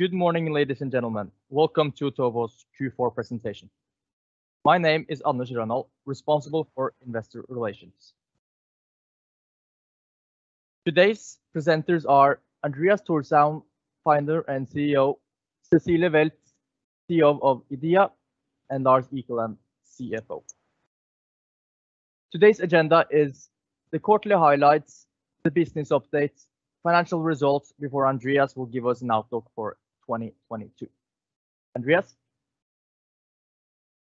Good morning, ladies and gentlemen. Welcome to Otovo's Q4 Presentation. My name is Anders Rønold, responsible for investor relations. Today's presenters are Andreas Thorsheim, Founder and CEO, Cecilie Weltz, CEO of EDEA, and Lars Ekeland, CFO. Today's agenda is the quarterly highlights, the business updates, financial results, before Andreas will give us an outlook for 2022. Andreas?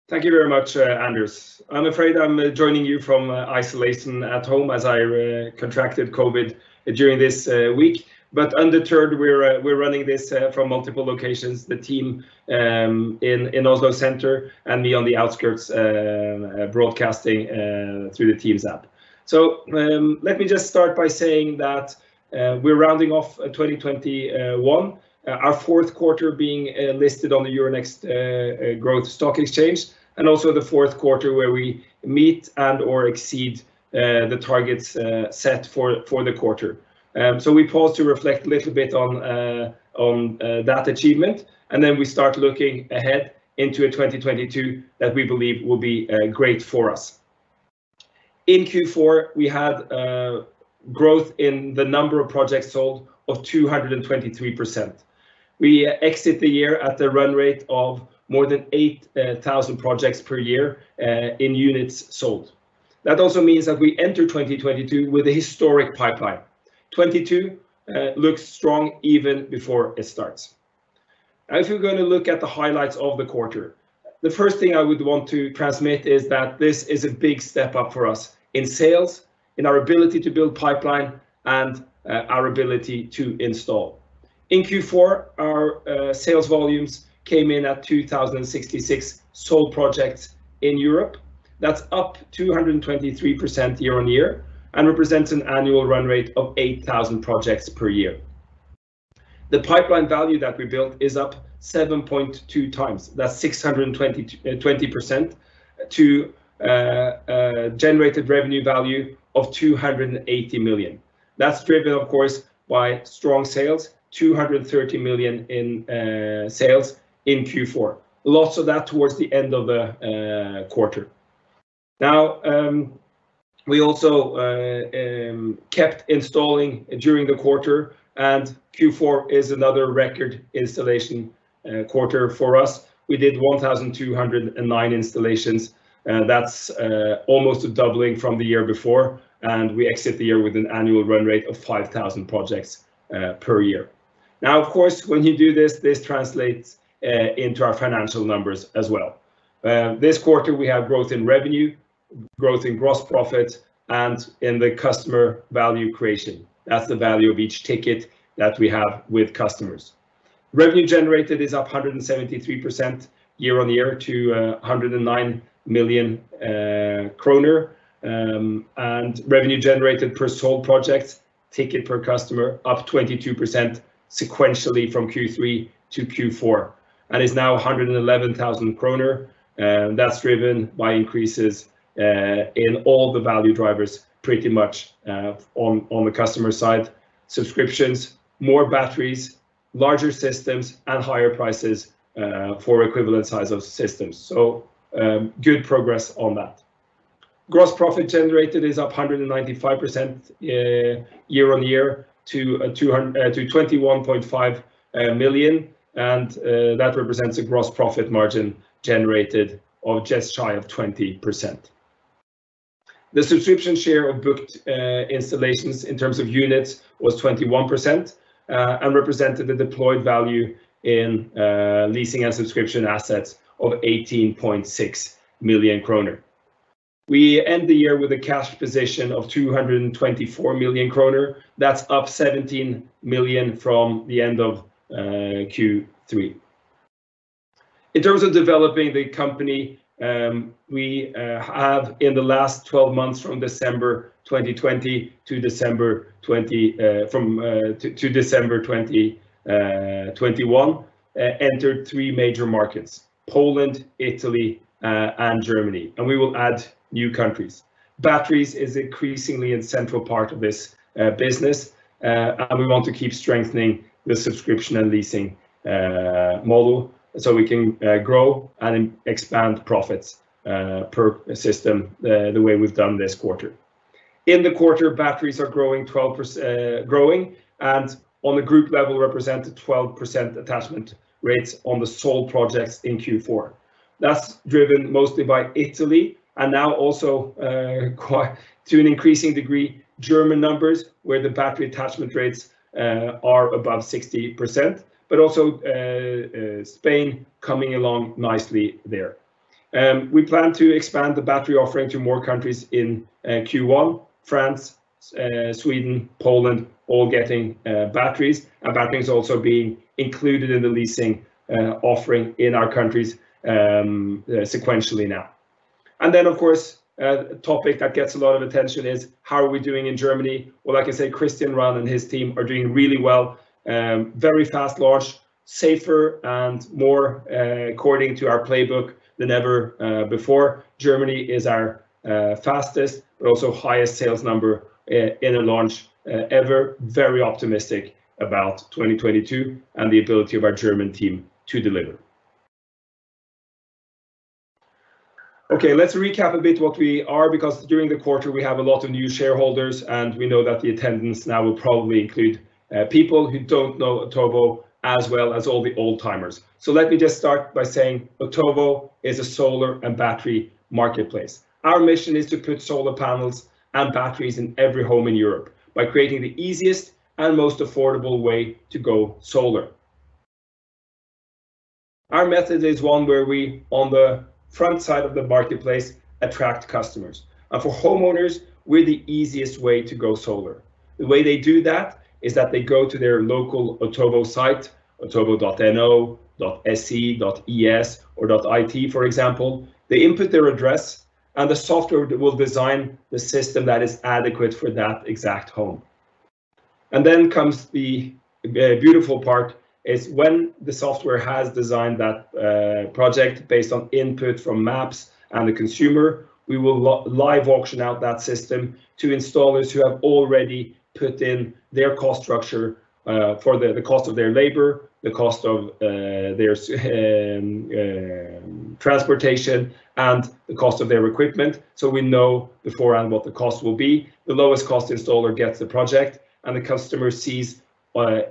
Thank you very much, Anders. I'm afraid I'm joining you from isolation at home as I contracted COVID during this week. Undeterred, we're running this from multiple locations, the team in Oslo Center and me on the outskirts, broadcasting through the Teams app. Let me just start by saying that we're rounding off 2021, our fourth quarter being listed on the Euronext Growth stock exchange and also the fourth quarter where we meet and/or exceed the targets set for the quarter. We pause to reflect a little bit on that achievement, and then we start looking ahead into 2022 that we believe will be great for us. In Q4, we had growth in the number of projects sold of 223%. We exit the year at the run rate of more than 8,000 projects per year in units sold. That also means that we enter 2022 with a historic pipeline. 2022 looks strong even before it starts. As we're gonna look at the highlights of the quarter, the first thing I would want to transmit is that this is a big step up for us in sales, in our ability to build pipeline, and our ability to install. In Q4, our sales volumes came in at 2,066 sold projects in Europe. That's up 223% year-on-year and represents an annual run rate of 8,000 projects per year. The pipeline value that we built is up 7.2x. That's 620% to Revenue Generated value of 280 million. That's driven, of course, by strong sales, 230 million in sales in Q4. Lots of that towards the end of the quarter. Now, we also kept installing during the quarter, and Q4 is another record installation quarter for us. We did 1,209 installations. That's almost a doubling from the year before, and we exit the year with an annual run rate of 5,000 projects per year. Now, of course, when you do this translates into our financial numbers as well. This quarter we have growth in revenue, growth in gross profit, and in the customer value creation. That's the value of each ticket that we have with customers. Revenue Generated is up 173% year-over-year to 109 million kroner. Revenue Generated per sold project ticket per customer up 22% sequentially from Q3 to Q4 and is now 111,000 kroner. That's driven by increases in all the value drivers pretty much on the customer side. Subscriptions, more batteries, larger systems, and higher prices for equivalent size of systems. Good progress on that. Gross Profit Generated is up 195% year-over-year to 21.5 million, and that represents a gross profit margin generated of just shy of 20%. The subscription share of booked installations in terms of units was 21%, and represented the deployed value in leasing and subscription assets of 18.6 million kroner. We end the year with a cash position of 224 million kroner. That's up 17 million from the end of Q3. In terms of developing the company, we have in the last 12 months from December 2020 to December 2021 entered three major markets, Poland, Italy, and Germany, and we will add new countries. Batteries is increasingly a central part of this business, and we want to keep strengthening the subscription and leasing model so we can grow and expand profits per system the way we've done this quarter. In the quarter, batteries are growing and on the group level represent a 12% attachment rate on the sold projects in Q4. That's driven mostly by Italy and now also to an increasing degree German numbers where the battery attachment rates are above 60%, but also Spain coming along nicely there. We plan to expand the battery offering to more countries in Q1. France, Sweden, Poland, all getting batteries, and batteries also being included in the leasing offering in our countries sequentially now. Of course, a topic that gets a lot of attention is how are we doing in Germany? Well, like I say, Christian Rahn and his team are doing really well, very fast launch, faster and more according to our playbook than ever before. Germany is our fastest but also highest sales number in a launch ever. Very optimistic about 2022 and the ability of our German team to deliver. Okay, let's recap a bit what we are, because during the quarter we have a lot of new shareholders, and we know that the attendance now will probably include people who don't know Otovo as well as all the old-timers. Let me just start by saying Otovo is a solar and battery marketplace. Our mission is to put solar panels and batteries in every home in Europe by creating the easiest and most affordable way to go solar. Our method is one where we on the front side of the marketplace attract customers. For homeowners, we're the easiest way to go solar. The way they do that is that they go to their local Otovo site, otovo.no, .se, .es, or .it, for example. They input their address, and the software will design the system that is adequate for that exact home. Then comes the beautiful part is when the software has designed that project based on input from maps and the consumer, we will live auction out that system to installers who have already put in their cost structure for the cost of their labor, the cost of their transportation, and the cost of their equipment. We know beforehand what the cost will be. The lowest cost installer gets the project, and the customer sees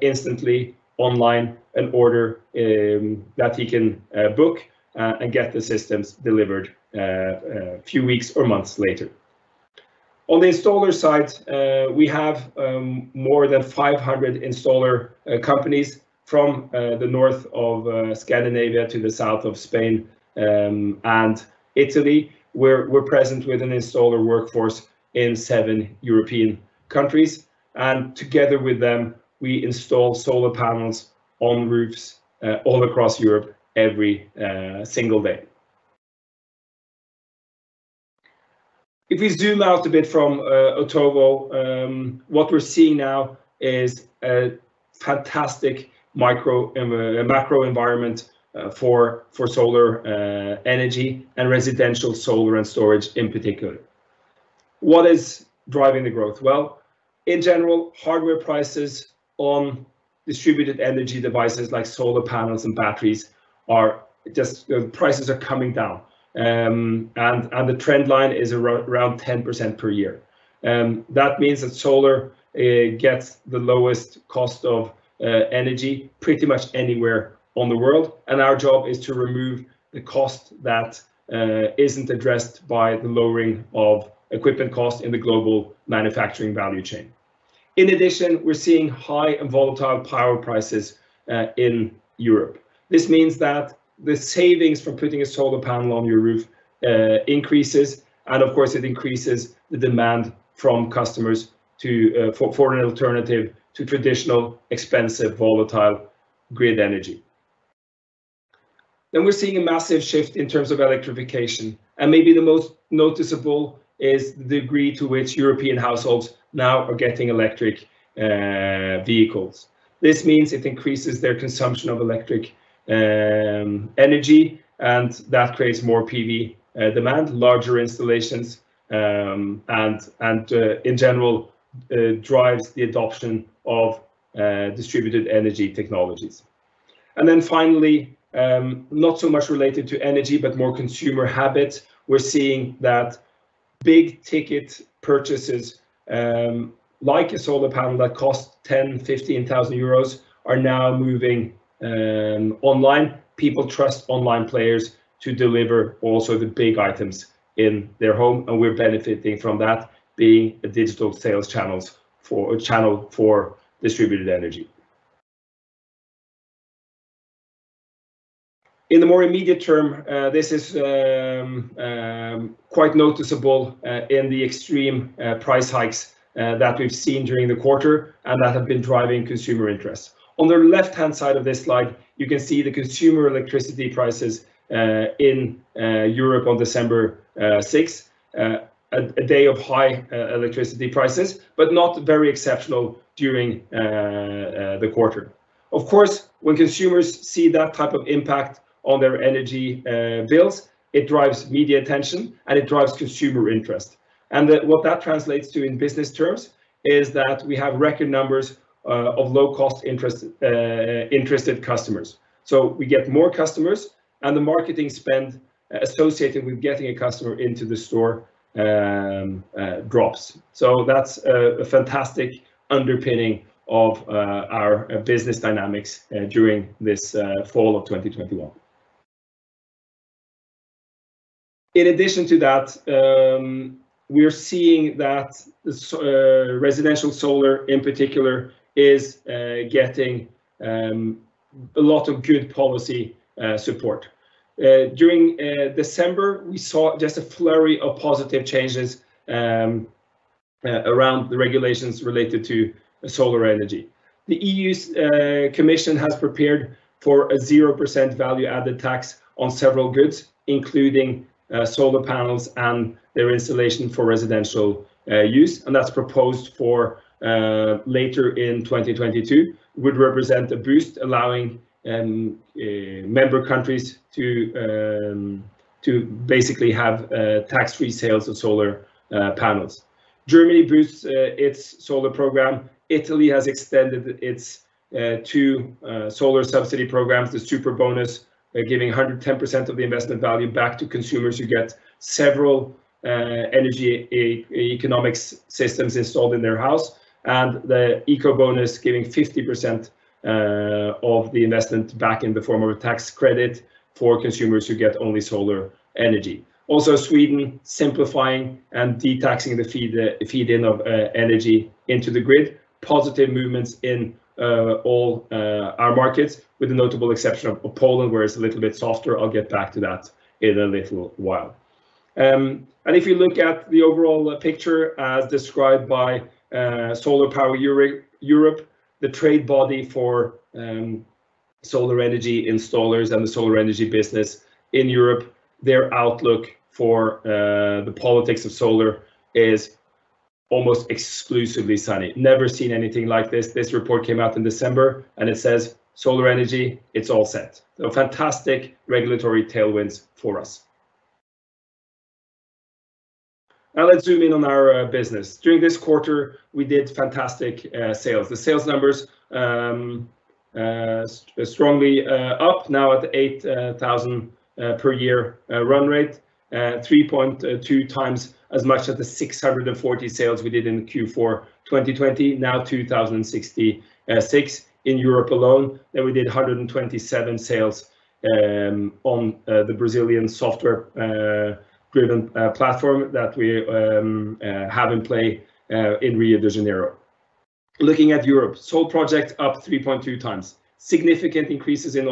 instantly online an order that he can book and get the systems delivered a few weeks or months later. On the installer side, we have more than 500 installer companies from the north of Scandinavia to the south of Spain and Italy. We're present with an installer workforce in seven European countries, and together with them, we install solar panels on roofs all across Europe every single day. If we zoom out a bit from Otovo, what we're seeing now is a fantastic macro environment for solar energy and residential solar and storage in particular. What is driving the growth? Well, in general, hardware prices on distributed energy devices like solar panels and batteries are just coming down. The trend line is around 10% per year. That means that solar gets the lowest cost of energy pretty much anywhere on the world, and our job is to remove the cost that isn't addressed by the lowering of equipment cost in the global manufacturing value chain. In addition, we're seeing high and volatile power prices in Europe. This means that the savings from putting a solar panel on your roof increases, and of course, it increases the demand from customers to for an alternative to traditional, expensive, volatile grid energy. We're seeing a massive shift in terms of electrification, and maybe the most noticeable is the degree to which European households now are getting electric vehicles. This means it increases their consumption of electric energy, and that creates more PV demand, larger installations, and in general drives the adoption of distributed energy technologies. Finally, not so much related to energy, but more consumer habits, we're seeing that big-ticket purchases, like a solar panel that costs 10,000-15,000 euros are now moving online. People trust online players to deliver also the big items in their home, and we're benefiting from that being a digital sales channel for distributed energy. In the more immediate term, this is quite noticeable in the extreme price hikes that we've seen during the quarter and that have been driving consumer interest. On the left-hand side of this slide, you can see the consumer electricity prices in Europe on December 6, a day of high electricity prices, but not very exceptional during the quarter. Of course, when consumers see that type of impact on their energy bills, it drives media attention, and it drives consumer interest. What that translates to in business terms is that we have record numbers of low-cost interested customers. We get more customers, and the marketing spend associated with getting a customer into the store drops. That's a fantastic underpinning of our business dynamics during this fall of 2021. In addition to that, we are seeing that residential solar in particular is getting a lot of good policy support. During December, we saw just a flurry of positive changes around the regulations related to solar energy. The EU Commission has prepared for a 0% value-added tax on several goods, including solar panels and their installation for residential use, and that's proposed for later in 2022 would represent a boost allowing member countries to basically have tax-free sales of solar panels. Germany boosts its solar program. Italy has extended its two solar subsidy programs, the Superbonus giving 110% of the investment value back to consumers who get several energy efficiency systems installed in their house. The Ecobonus giving 50% of the investment back in the form of a tax credit for consumers who get only solar energy. Also, Sweden simplifying and de-taxing the feed in of energy into the grid. Positive movements in all our markets, with the notable exception of Poland, where it's a little bit softer. I'll get back to that in a little while. If you look at the overall picture as described by SolarPower Europe, the trade body for solar energy installers and the solar energy business in Europe, their outlook for the politics of solar is almost exclusively sunny. Never seen anything like this. This report came out in December and it says, "Solar energy, it's all set." Fantastic regulatory tailwinds for us. Now let's zoom in on our business. During this quarter, we did fantastic sales. The sales numbers strongly up. Now at 8,000 per year run rate. 3.2x as much as the 640 sales we did in Q4 2020. Now 2,066 in Europe alone. We did 127 sales on the Brazilian software-driven platform that we have in place in Rio de Janeiro. Looking at Europe, sold projects up 3.2x. Significant increases in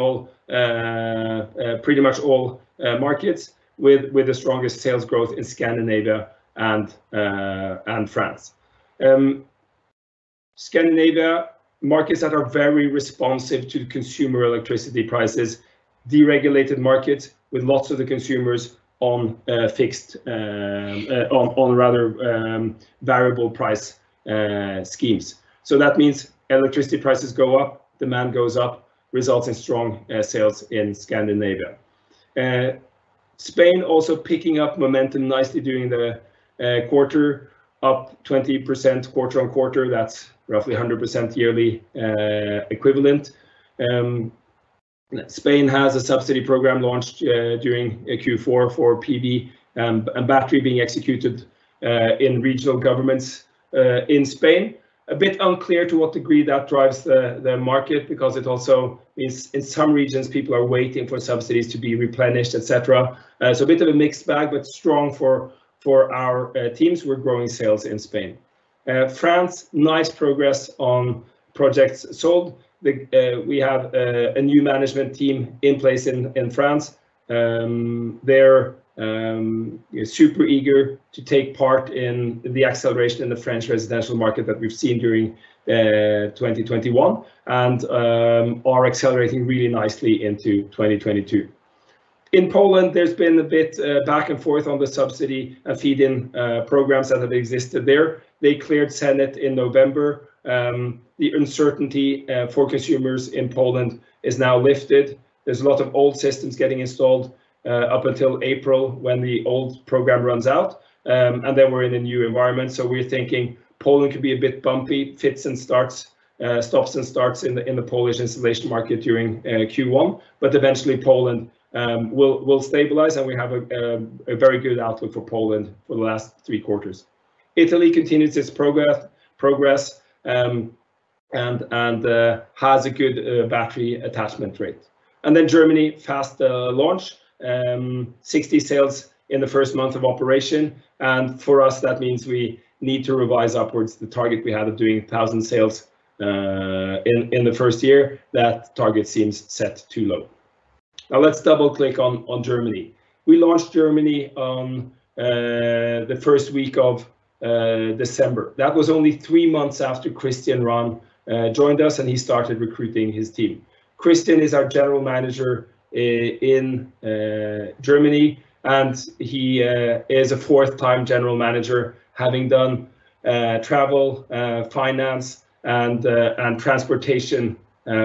pretty much all markets, with the strongest sales growth in Scandinavia and France. Scandinavia, markets that are very responsive to consumer electricity prices. Deregulated markets with lots of the consumers on rather variable price schemes. That means electricity prices go up, demand goes up, results in strong sales in Scandinavia. Spain also picking up momentum nicely during the quarter, up 20% quarter-on-quarter. That's roughly 100% yearly equivalent. Spain has a subsidy program launched during Q4 for PV and battery being executed in regional governments in Spain. A bit unclear to what degree that drives the market because it also is, in some regions, people are waiting for subsidies to be replenished, et cetera. A bit of a mixed bag, but strong for our teams. We're growing sales in Spain. France, nice progress on projects sold. We have a new management team in place in France. They're super eager to take part in the acceleration in the French residential market that we've seen during 2021, and are accelerating really nicely into 2022. In Poland, there's been a bit back and forth on the subsidy and feed in programs that have existed there. They cleared Senate in November. The uncertainty for consumers in Poland is now lifted. There's a lot of old systems getting installed up until April when the old program runs out. We're in a new environment, so we're thinking Poland could be a bit bumpy, fits and starts, stops and starts in the Polish installation market during Q1. Eventually Poland will stabilize, and we have a very good outlook for Poland for the last three quarters. Italy continues its progress and has a good battery attachment rate. Germany, fast launch. 60 sales in the first month of operation. For us, that means we need to revise upwards the target we had of doing 1,000 sales in the first year. That target seems set too low. Now let's double click on Germany. We launched Germany on the first week of December. That was only three months after Christian Rahn joined us, and he started recruiting his team. Christian is our General Manager in Germany, and he is a fourth time general manager having done travel, finance and transportation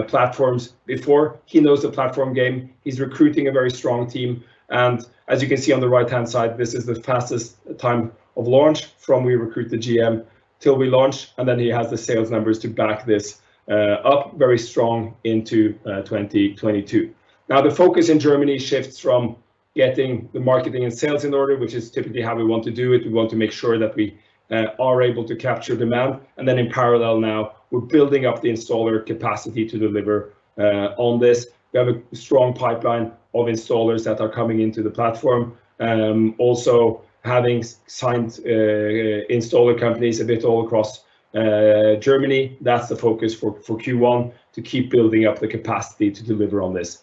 platforms before. He knows the platform game. He's recruiting a very strong team and as you can see on the right-hand side, this is the fastest time of launch from we recruit the GM till we launch, and then he has the sales numbers to back this up very strong into 2022. Now, the focus in Germany shifts from getting the marketing and sales in order, which is typically how we want to do it. We want to make sure that we are able to capture demand. In parallel now, we're building up the installer capacity to deliver on this. We have a strong pipeline of installers that are coming into the platform. Also having signed installer companies a bit all across Germany, that's the focus for Q1, to keep building up the capacity to deliver on this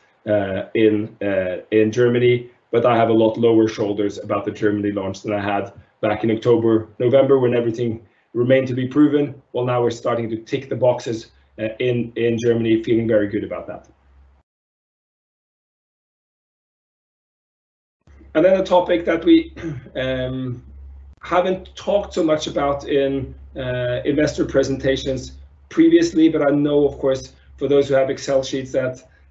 in Germany. I have a lot lower shoulders about the Germany launch than I had back in October, November when everything remained to be proven. Well, now we're starting to tick the boxes in Germany. Feeling very good about that. Then a topic that we haven't talked so much about in investor presentations previously, but I know of course for those who have Excel sheets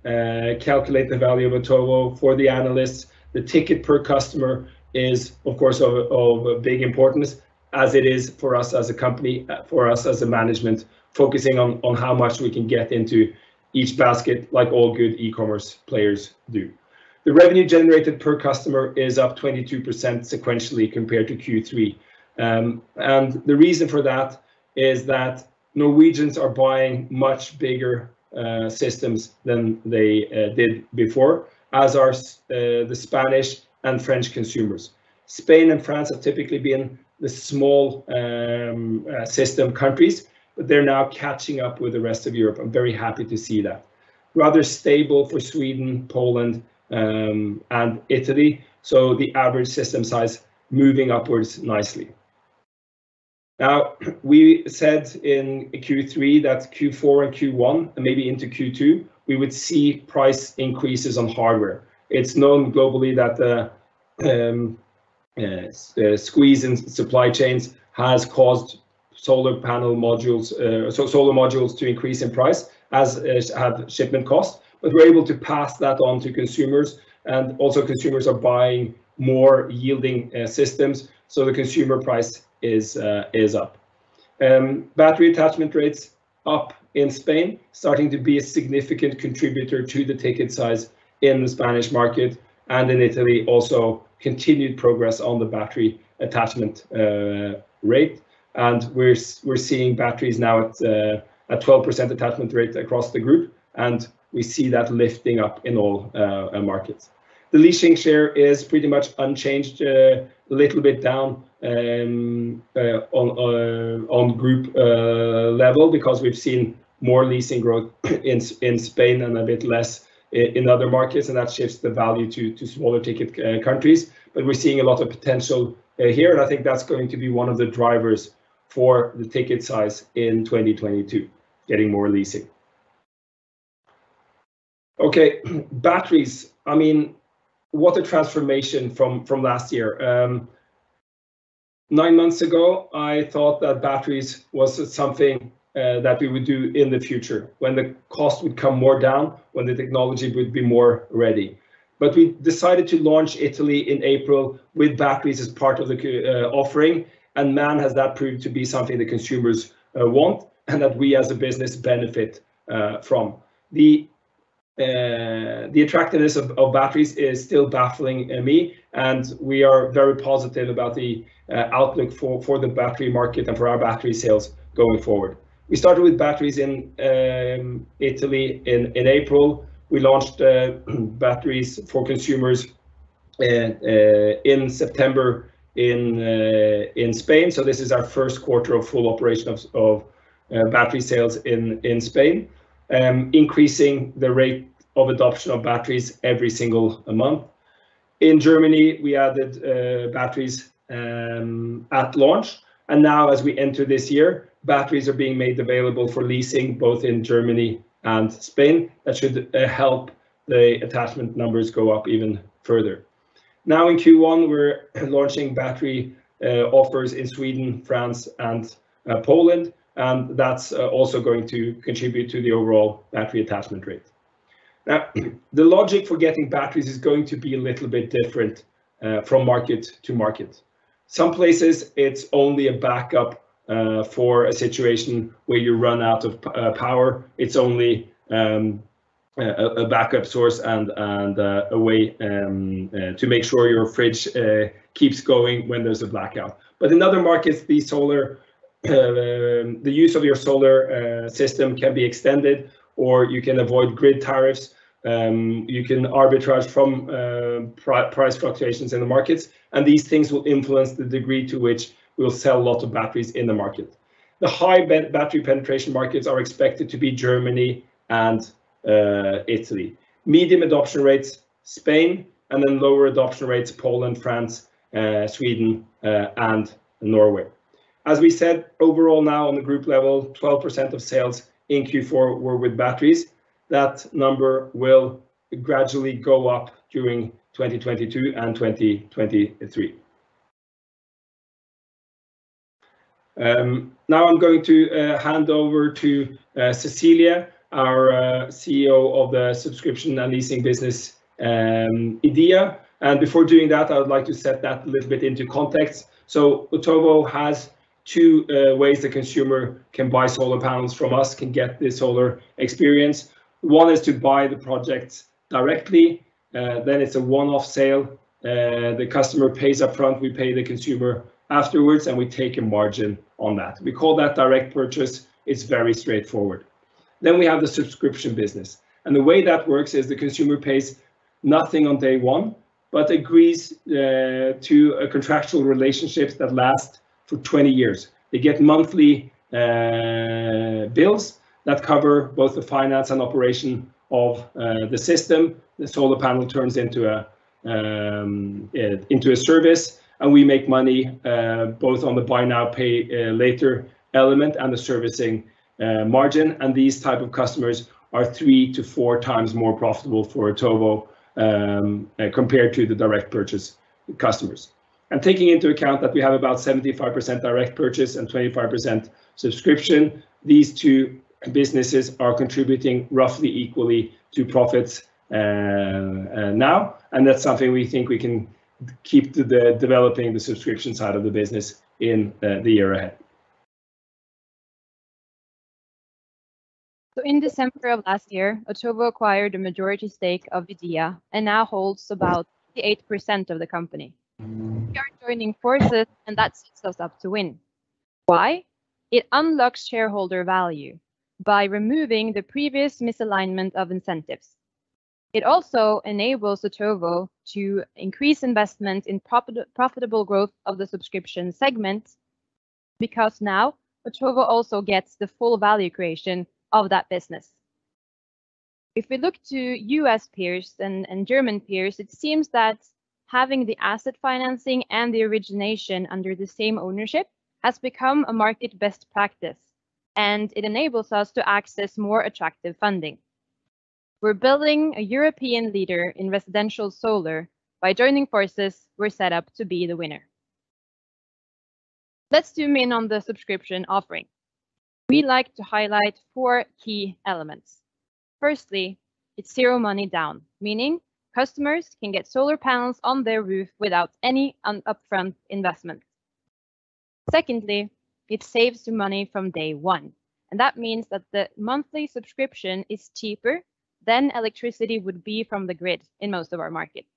that calculate the value of Otovo for the analysts, the ticket per customer is of course of big importance as it is for us as a company, for us as a management focusing on how much we can get into each basket like all good e-commerce players do. The Revenue Generated per customer is up 22% sequentially compared to Q3. The reason for that is that Norwegians are buying much bigger systems than they did before as are the Spanish and French consumers. Spain and France have typically been the small system countries, but they're now catching up with the rest of Europe. I'm very happy to see that. Rather stable for Sweden, Poland, and Italy, so the average system size moving upwards nicely. Now, we said in Q3 that Q4 and Q1, and maybe into Q2, we would see price increases on hardware. It's known globally that the squeeze in supply chains has caused solar modules to increase in price as has shipment costs, but we're able to pass that on to consumers. Also consumers are buying more yielding systems, so the consumer price is up. Battery attachment rates up in Spain, starting to be a significant contributor to the ticket size in the Spanish market and in Italy also. Continued progress on the battery attachment rate, and we're seeing batteries now at 12% attachment rate across the group, and we see that lifting up in all markets. The leasing share is pretty much unchanged, a little bit down on group level because we've seen more leasing growth in Spain and a bit less in other markets, and that shifts the value to smaller ticket countries. We're seeing a lot of potential here, and I think that's going to be one of the drivers for the ticket size in 2022, getting more leasing. Okay, batteries, I mean, what a transformation from last year. Nine months ago I thought that batteries was something that we would do in the future when the cost would come more down, when the technology would be more ready. We decided to launch Italy in April with batteries as part of the offering, and man, has that proved to be something the consumers want and that we as a business benefit from. The attractiveness of batteries is still baffling me, and we are very positive about the outlook for the battery market and for our battery sales going forward. We started with batteries in Italy in April. We launched batteries for consumers in September in Spain, so this is our first quarter of full operation of battery sales in Spain. Increasing the rate of adoption of batteries every single month. In Germany we added batteries at launch, and now as we enter this year, batteries are being made available for leasing both in Germany and Spain. That should help the attachment numbers go up even further. Now in Q1 we're launching battery offers in Sweden, France, and Poland, and that's also going to contribute to the overall battery attachment rate. Now, the logic for getting batteries is going to be a little bit different from market to market. Some places it's only a backup for a situation where you run out of power. It's only a backup source and a way to make sure your fridge keeps going when there's a blackout. In other markets the solar, the use of your solar system can be extended or you can avoid grid tariffs. You can arbitrage from price fluctuations in the markets. These things will influence the degree to which we'll sell a lot of batteries in the market. The high battery penetration markets are expected to be Germany and Italy. Medium adoption rates Spain, and then lower adoption rates Poland, France, Sweden, and Norway. As we said, overall now on the group level 12% of sales in Q4 were with batteries. That number will gradually go up during 2022 and 2023. Now I'm going to hand over to Cecilie, our CEO of the subscription and leasing business, EDEA. Before doing that I would like to set that a little bit into context. Otovo has two ways the consumer can buy solar panels from us, can get the solar experience. One is to buy the project directly. It's a one-off sale. The customer pays upfront, we pay the consumer afterwards, and we take a margin on that. We call that direct purchase. It's very straightforward. We have the subscription business, and the way that works is the consumer pays nothing on day one but agrees to a contractual relationships that last for 20 years. They get monthly bills that cover both the finance and operation of the system. The solar panel turns into a service, and we make money both on the buy now pay later element and the servicing margin. These type of customers are three-four times more profitable for Otovo compared to the direct purchase customers. Taking into account that we have about 75% direct purchase and 25% subscription, these two businesses are contributing roughly equally to profits, now, and that's something we think we can keep the developing the subscription side of the business in the year ahead. In December of last year, Otovo acquired a majority stake of EDEA and now holds about 88% of the company. We are joining forces, and that sets us up to win. Why? It unlocks shareholder value by removing the previous misalignment of incentives. It also enables Otovo to increase investment in profitable growth of the subscription segment, because now Otovo also gets the full value creation of that business. If we look to U.S. peers and German peers, it seems that having the asset financing and the origination under the same ownership has become a market best practice, and it enables us to access more attractive funding. We're building a European leader in residential solar. By joining forces, we're set up to be the winner. Let's zoom in on the subscription offering. We like to highlight four key elements. Firstly, it's zero money down, meaning customers can get solar panels on their roof without any up-front investment. Secondly, it saves you money from day one, and that means that the monthly subscription is cheaper than electricity would be from the grid in most of our markets.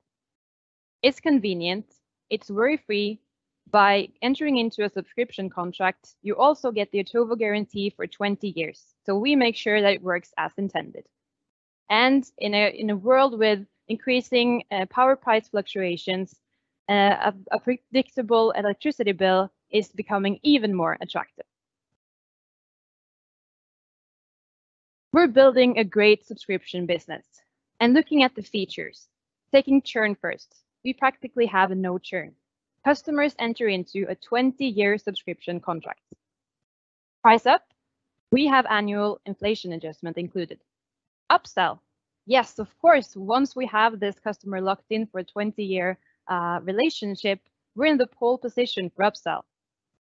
It's convenient. It's worry-free. By entering into a subscription contract, you also get the Otovo guarantee for 20 years. We make sure that it works as intended. In a world with increasing power price fluctuations, a predictable electricity bill is becoming even more attractive. We're building a great subscription business and looking at the features. Taking churn first, we practically have no churn. Customers enter into a 20-year subscription contract. Price up, we have annual inflation adjustment included. Upsell, yes, of course, once we have this customer locked in for a 20-year relationship, we're in the pole position for upsell.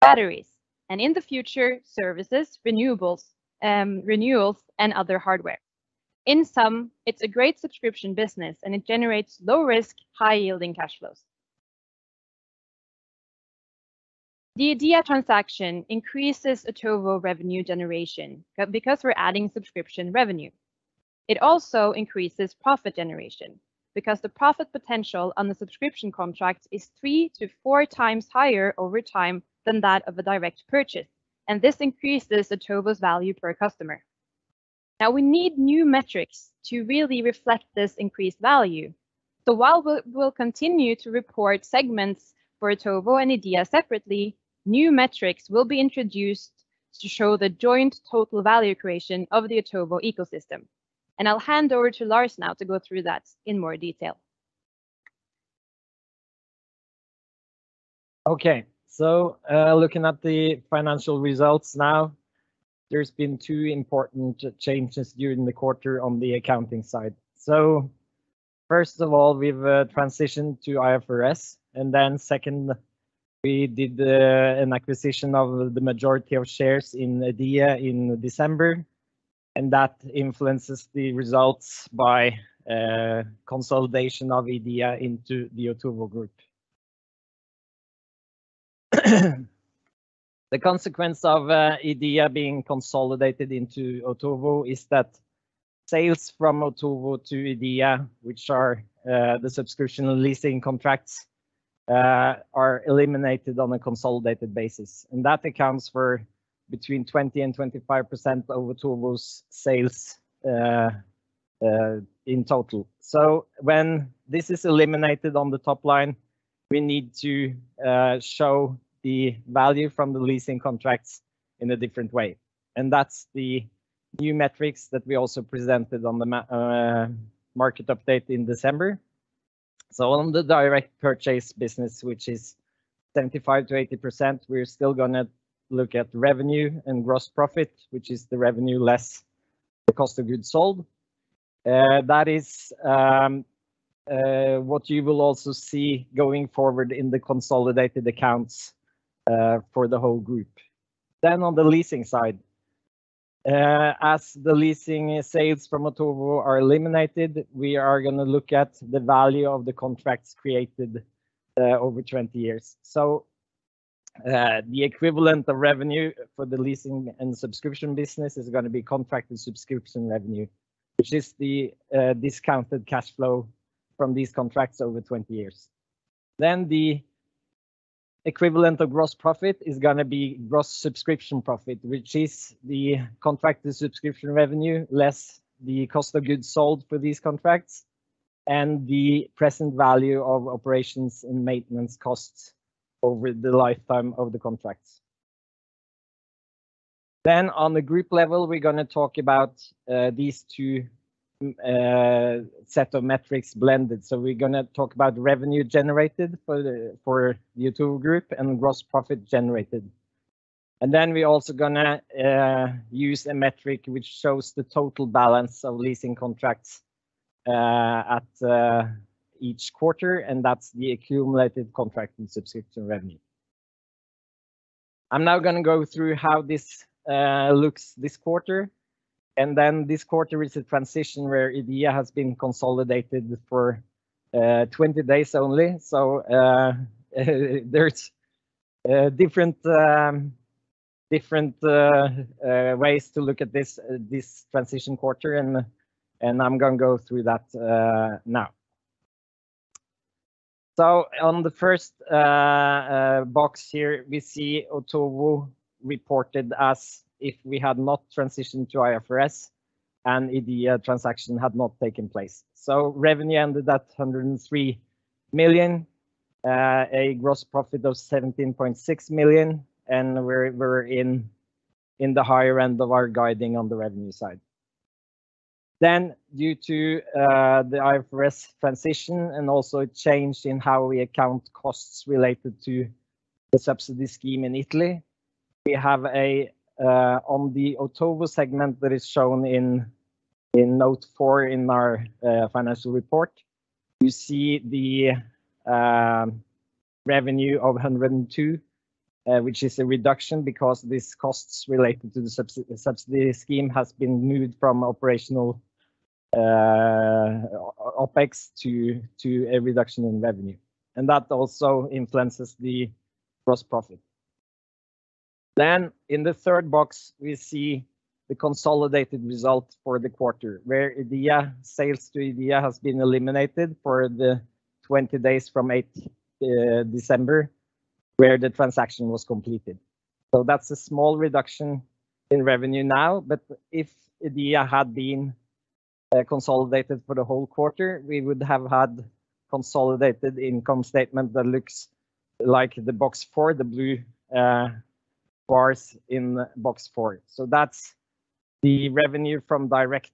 Batteries, and in the future, services, renewables, renewals and other hardware. In sum, it's a great subscription business, and it generates low risk, high yielding cash flows. The EDEA transaction increases Otovo revenue generation because we're adding subscription revenue. It also increases profit generation because the profit potential on the subscription contract is three-four times higher over time than that of a direct purchase, and this increases Otovo's value per customer. Now we need new metrics to really reflect this increased value. While we'll continue to report segments for Otovo and EDEA separately, new metrics will be introduced to show the joint total value creation of the Otovo ecosystem, and I'll hand over to Lars now to go through that in more detail. Okay. Looking at the financial results now, there's been two important changes during the quarter on the accounting side. First of all, we've transitioned to IFRS, and then second, we did an acquisition of the majority of shares in EDEA in December, and that influences the results by consolidation of EDEA into the Otovo Group. The consequence of EDEA being consolidated into Otovo is that sales from Otovo to EDEA, which are the subscription leasing contracts, are eliminated on a consolidated basis, and that accounts for between 20% and 25% of Otovo's sales in total. When this is eliminated on the top line, we need to show the value from the leasing contracts in a different way, and that's the new metrics that we also presented on the market update in December. On the direct purchase business, which is 75%-80%, we're still gonna look at revenue and gross profit, which is the revenue less the cost of goods sold. That is what you will also see going forward in the consolidated accounts for the whole group. On the leasing side, as the leasing sales from Otovo are eliminated, we are gonna look at the value of the contracts created over 20 years. The equivalent of revenue for the leasing and subscription business is gonna be contracted subscription revenue, which is the discounted cash flow from these contracts over 20 years. The equivalent of gross profit is gonna be gross subscription profit, which is the contracted subscription revenue less the cost of goods sold for these contracts and the present value of operations and maintenance costs over the lifetime of the contracts. On the group level, we're gonna talk about these two sets of metrics blended. We're gonna talk about revenue generated for the Otovo Group and gross profit generated. We're also gonna use a metric which shows the total balance of leasing contracts at each quarter, and that's the accumulated contracted subscription revenue. I'm now gonna go through how this looks this quarter, and this quarter is a transition where EDEA has been consolidated for 20 days only. There's different ways to look at this transition quarter and I'm gonna go through that now. On the first box here, we see Otovo reported as if we had not transitioned to IFRS and EDEA transaction had not taken place. Revenue ended at 103 million, a gross profit of 17.6 million, and we're in the higher end of our guidance on the revenue side. Due to the IFRS transition and also change in how we account costs related to the subsidy scheme in Italy, we have on the Otovo segment that is shown in note four in our financial report. You see the revenue of 102, which is a reduction because these costs related to the subsidy scheme has been moved from operational OPEX to a reduction in revenue. That also influences the gross profit. In the third box, we see the consolidated result for the quarter where EDEA sales to EDEA has been eliminated for the 20 days from 8 in December, where the transaction was completed. That's a small reduction in revenue now. But if EDEA had been consolidated for the whole quarter, we would have had consolidated income statement that looks like the box four, the blue bars in box four. That's the revenue from direct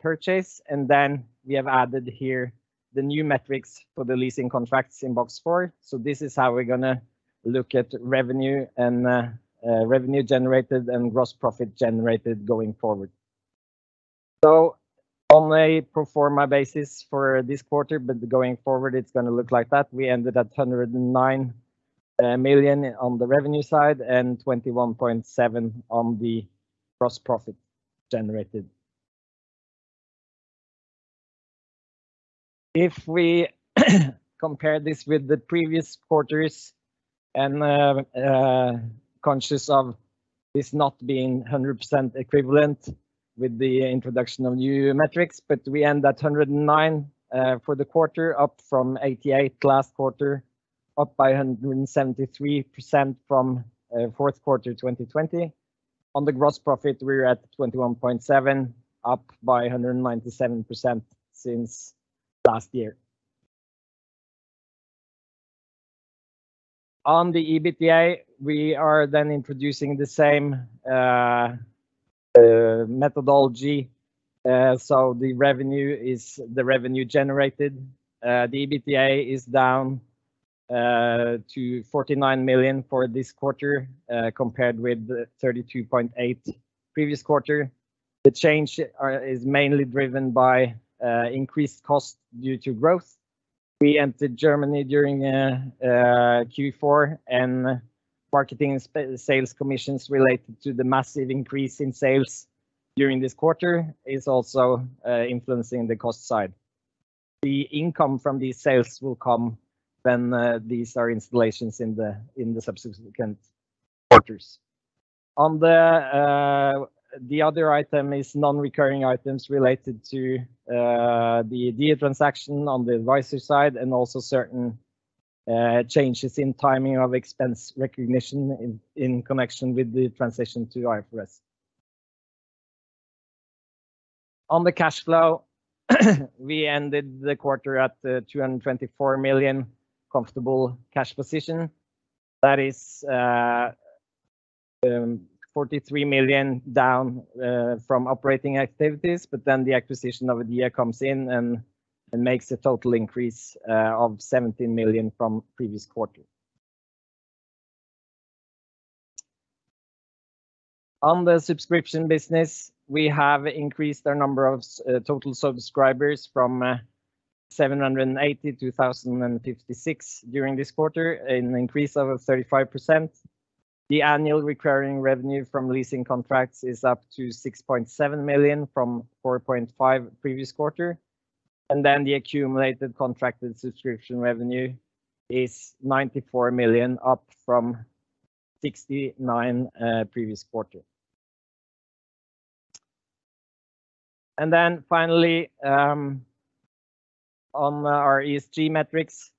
purchase. Then we have added here the new metrics for the leasing contracts in box four. This is how we're gonna look at revenue and revenue generated and gross profit generated going forward. On a pro forma basis for this quarter, but going forward, it's gonna look like that, we ended at 109 million on the revenue side and 21.7 million on the gross profit generated. If we compare this with the previous quarters and conscious of this not being 100% equivalent with the introduction of new metrics, but we end at 109 million for the quarter, up from 88 million last quarter, up by 173% from fourth quarter 2020. On the gross profit, we're at 21.7 million, up by 197% since last year. On the EBITDA, we are then introducing the same methodology. The revenue is the revenue generated. The EBITDA is down to -49 million for this quarter compared with the 32.8 million previous quarter. The change is mainly driven by increased cost due to growth. We entered Germany during Q4, and marketing and sales commissions related to the massive increase in sales during this quarter is also influencing the cost side. The income from these sales will come when these are installations in the subsequent quarters. On the other item is non-recurring items related to the EDEA transaction on the advisor side and also certain changes in timing of expense recognition in connection with the transition to IFRS. On the cash flow, we ended the quarter at 24 million comfortable cash position. That is -43 million down from operating activities. The acquisition of EDEA comes in and makes a total increase of 17 million from previous quarter. On the subscription business, we have increased our number of total subscribers from 780 to 1,056 during this quarter, an increase of 35%. The annual recurring revenue from leasing contracts is up to 6.7 million from 4.5 million previous quarter. The accumulated contracted subscription revenue is 94 million, up from 69 million previous quarter. On our ESG metrics,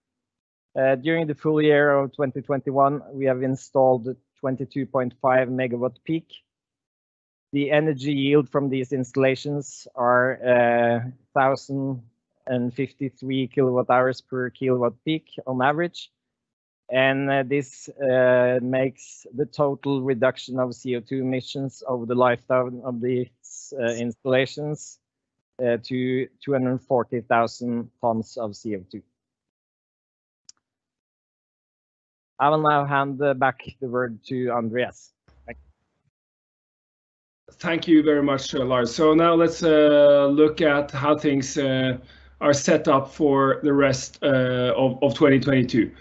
during the full year of 2021, we have installed 22.5 MWp. The energy yield from these installations are 1,053 kWh/kWp on average. This makes the total reduction of CO2 emissions over the lifetime of these installations to 240,000 tons of CO2. I will now hand back the word to Andreas. Thank you. Thank you very much, Lars. Now let's look at how things are set up for the rest of 2022.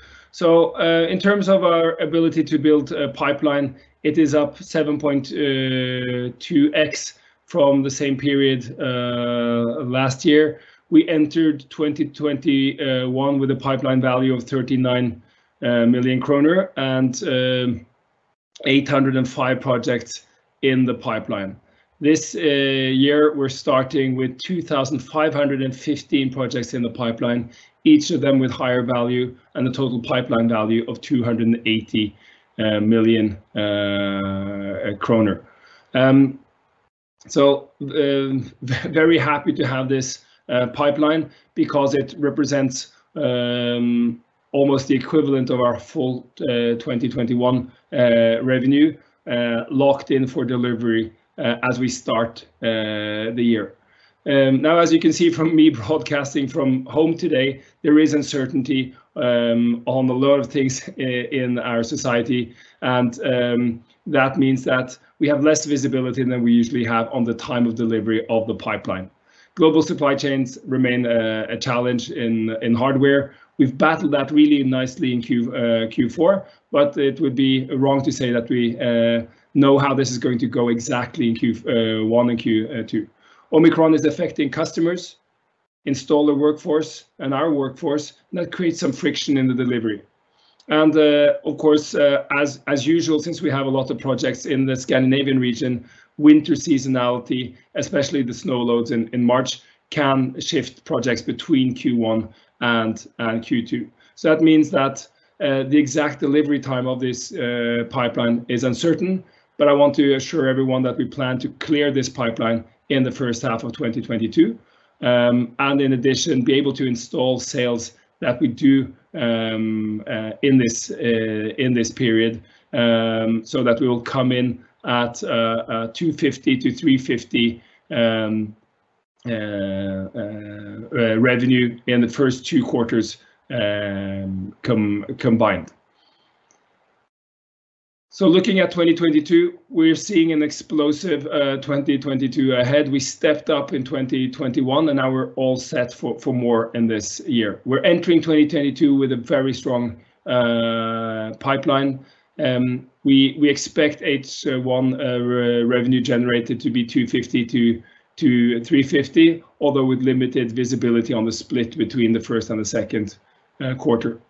In terms of our ability to build a pipeline, it is up 7.2x from the same period last year. We entered 2021 with a pipeline value of 39 million kroner and 805 projects in the pipeline. This year we're starting with 2,515 projects in the pipeline, each of them with higher value and a total pipeline value of 280 million kroner. Very happy to have this pipeline because it represents almost the equivalent of our full 2021 revenue locked in for delivery as we start the year. Now as you can see from me broadcasting from home today, there is uncertainty on a lot of things in our society and that means that we have less visibility than we usually have on the time of delivery of the pipeline. Global supply chains remain a challenge in hardware. We've battled that really nicely in Q4, but it would be wrong to say that we know how this is going to go exactly in Q1 and Q2. Omicron is affecting customers, installer workforce, and our workforce, and that creates some friction in the delivery. Of course, as usual since we have a lot of projects in the Scandinavian region, winter seasonality, especially the snow loads in March, can shift projects between Q1 and Q2. That means that the exact delivery time of this pipeline is uncertain. I want to assure everyone that we plan to clear this pipeline in the first half of 2022. In addition be able to install sales that we do in this period so that we will come in at 250-350 revenue in the first two quarters combined. Looking at 2022, we're seeing an explosive 2022 ahead. We stepped up in 2021, and now we're all set for more in this year. We're entering 2022 with a very strong pipeline. We expect H1 revenue generated to be 250-350, although with limited visibility on the split between the first and the second quarter.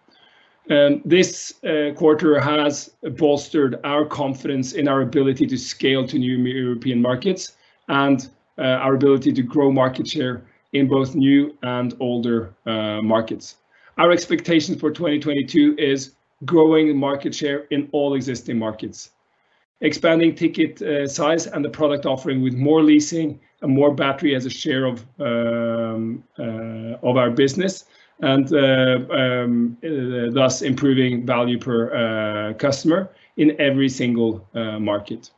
This quarter has bolstered our confidence in our ability to scale to new European markets and our ability to grow market share in both new and older markets. Our expectations for 2022 is growing market share in all existing markets, expanding ticket size and the product offering with more leasing and more battery as a share of our business and thus improving value per customer in every single market.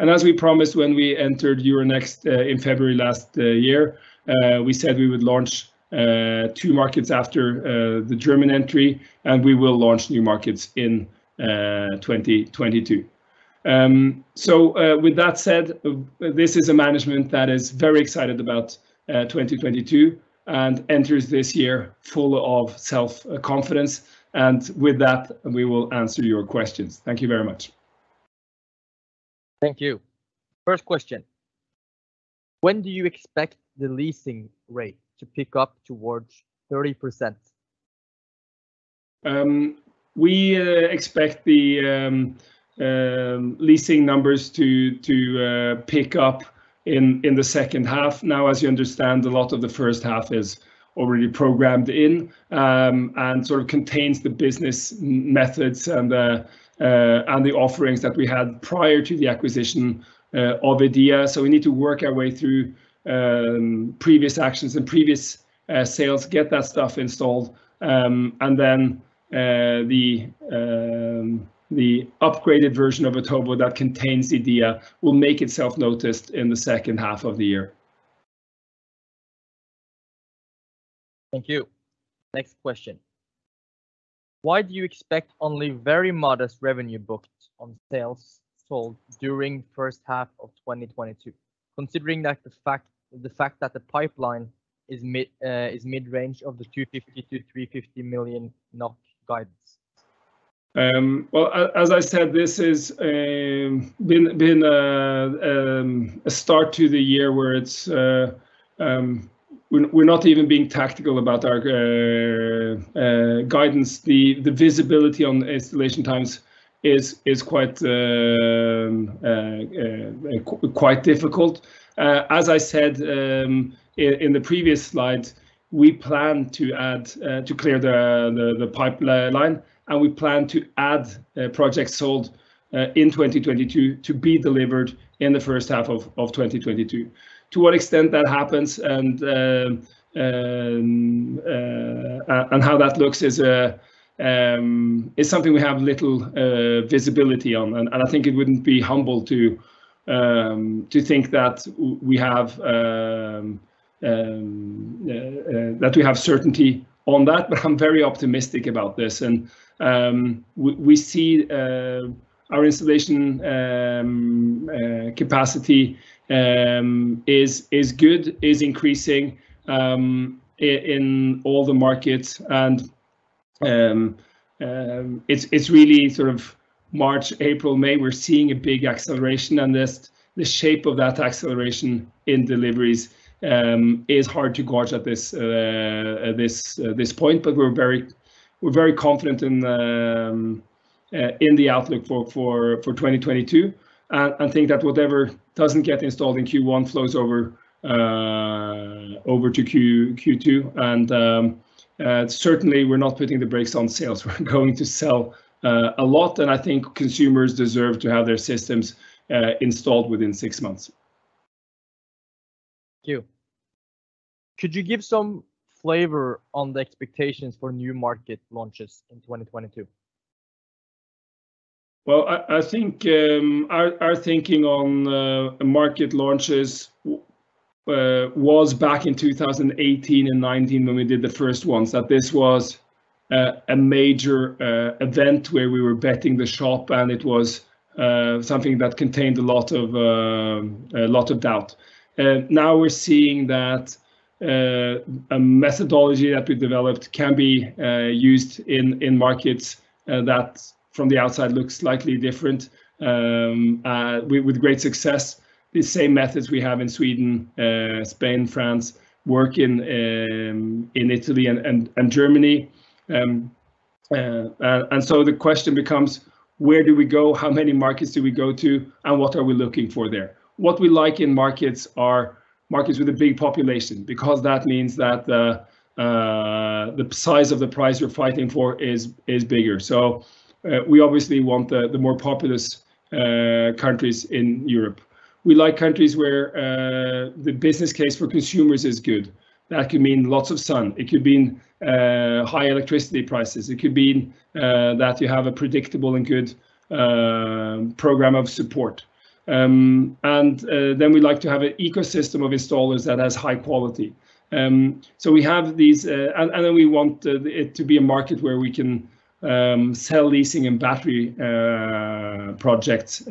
As we promised when we entered Euronext in February last year, we said we would launch two markets after the German entry, and we will launch new markets in 2022. With that said, this is a management that is very excited about 2022 and enters this year full of self-confidence. With that, we will answer your questions. Thank you very much. Thank you. First question. When do you expect the leasing rate to pick up towards 30%? We expect the leasing numbers to pick up in the second half. Now as you understand, a lot of the first half is already programmed in, and sort of contains the business methods and the offerings that we had prior to the acquisition of EDEA. We need to work our way through previous actions and previous sales, get that stuff installed, and then the upgraded version of Otovo that contains EDEA will make itself noticed in the second half of the year. Thank you. Next question. Why do you expect only very modest revenue booked on sales sold during first half of 2022 considering the fact that the pipeline is mid-range of the 250 million-350 million NOK guidance? Well, as I said, this is been a start to the year where it's. We're not even being tactical about our guidance. The visibility on the installation times is quite difficult. As I said, in the previous slide, we plan to add to clear the pipeline, and we plan to add projects sold in 2022 to be delivered in the first half of 2022. To what extent that happens and how that looks is something we have little visibility on. I think it wouldn't be humble to think that we have certainty on that. I'm very optimistic about this. We see our installation capacity is good, is increasing in all the markets. It's really sort of March, April, May, we're seeing a big acceleration on this. The shape of that acceleration in deliveries is hard to gauge at this point, but we're very confident in the outlook for 2022. I think that whatever doesn't get installed in Q1 flows over to Q2. Certainly we're not putting the brakes on sales. We're going to sell a lot, and I think consumers deserve to have their systems installed within six months. Thank you. Could you give some flavor on the expectations for new market launches in 2022? I think our thinking on market launches was back in 2018 and 2019 when we did the first ones. That this was a major event where we were betting the shop and it was something that contained a lot of doubt. Now we're seeing that a methodology that we developed can be used in markets that from the outside looks slightly different with great success. The same methods we have in Sweden, Spain, France, work in Italy and Germany. The question becomes, where do we go? How many markets do we go to, and what are we looking for there? What we like in markets are markets with a big population because that means that the size of the prize you're fighting for is bigger. We obviously want the more populous countries in Europe. We like countries where the business case for consumers is good. That could mean lots of sun. It could mean high electricity prices. It could mean that you have a predictable and good program of support. We like to have an ecosystem of installers that has high quality. We want it to be a market where we can sell leasing and battery projects,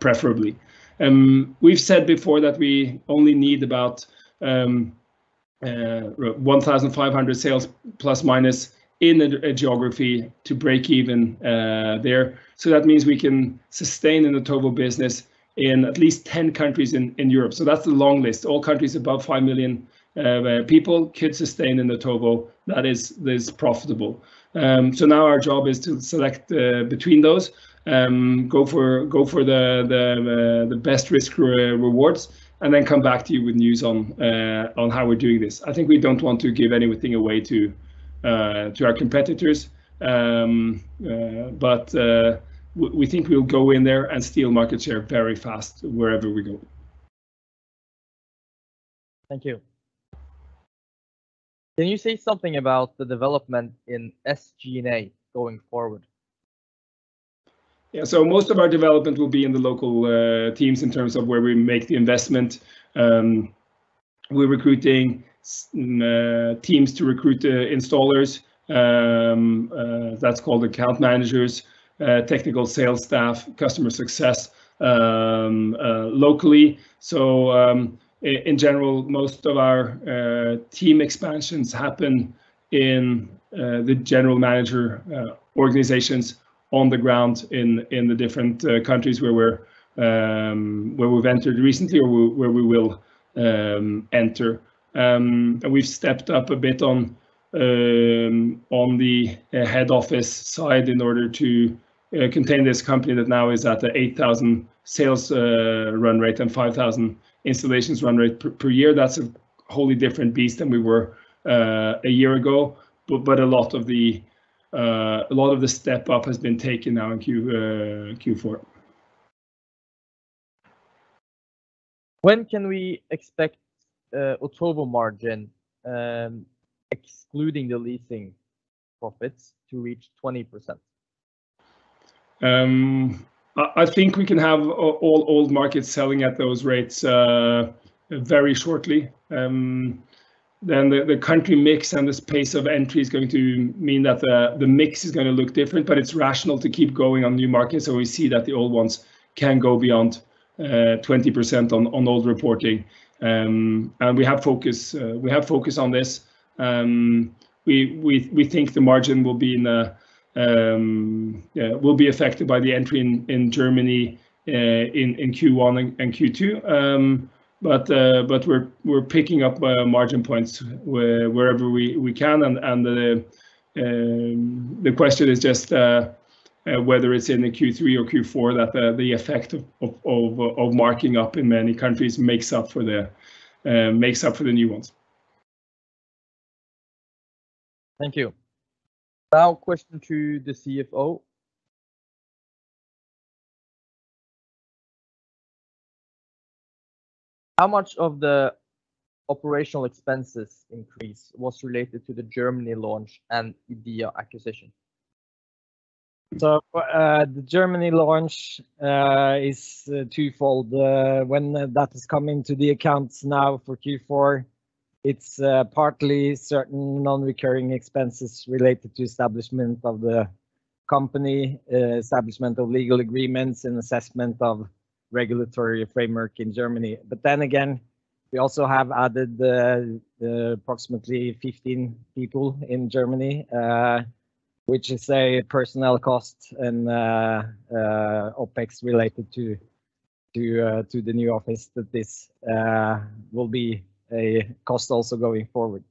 preferably. We've said before that we only need about 1,500 sales ± in a geography to break even there. That means we can sustain an Otovo business in at least 10 countries in Europe. That's the long list. All countries above 5 million people could sustain an Otovo that is profitable. Now our job is to select between those, go for the best risk-rewards, and then come back to you with news on how we're doing this. I think we don't want to give anything away to our competitors. But we think we'll go in there and steal market share very fast wherever we go. Thank you. Can you say something about the development in SG&A going forward? Yeah. Most of our development will be in the local teams in terms of where we make the investment. We're recruiting teams to recruit installers. That's called account managers, technical sales staff, customer success locally. In general, most of our team expansions happen in the general manager organizations on the ground in the different countries where we've entered recently or where we will enter. We've stepped up a bit on the head office side in order to, you know, contain this company that now is at an 8,000 sales run rate and 5,000 installations run rate per year. That's a wholly different beast than we were a year ago. A lot of the step up has been taken now in Q4. When can we expect Otovo margin, excluding the leasing profits, to reach 20%? I think we can have all old markets selling at those rates very shortly. The country mix and this pace of entry is going to mean that the mix is gonna look different, but it's rational to keep going on new markets. We see that the old ones can go beyond 20% on old reporting. We have focus on this. We think the margin will be affected by the entry in Germany in Q1 and Q2.We're picking up margin points wherever we can and the question is just whether it's in the Q3 or Q4 that the effect of marking up in many countries makes up for the new ones. Thank you. Now question to the CFO. How much of the operational expenses increase was related to the Germany launch and EDEA acquisition? The Germany launch is twofold. When that is coming to the accounts now for Q4, it's partly certain non-recurring expenses related to establishment of the company, establishment of legal agreements and assessment of regulatory framework in Germany. We also have added the approximately 15 people in Germany, which is a personnel cost and OPEX related to the new office that this will be a cost also going forward.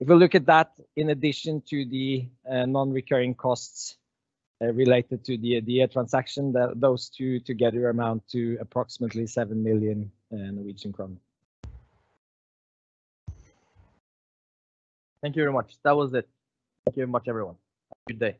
If you look at that, in addition to the non-recurring costs related to the EDEA transaction, those two together amount to approximately 7 million Norwegian kroner. Thank you very much. That was it. Thank you very much everyone. Have a good day.